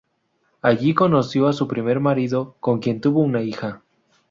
Allí conoció a su primer marido, con quien tuvo una hija.